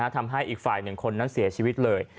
ทำให้อีกฝ่ายหนึ่งคนนั้นเสียชีวิตเลย